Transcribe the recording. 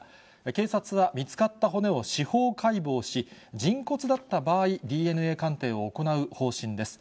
警察は見つかった骨を司法解剖し、人骨だった場合、ＤＮＡ鑑定を行う方針です。